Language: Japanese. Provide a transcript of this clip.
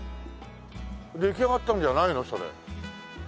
出来上がったんじゃないのそれ。